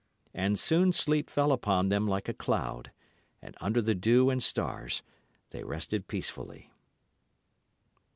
And soon sleep fell upon them like a cloud, and under the dew and stars they rested peacefully.